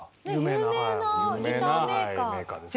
有名なギターメーカー。